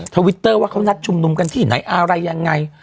ทวิตเตอร์ว่าเขานัดชุมนุมกันที่ไหนอะไรยังไง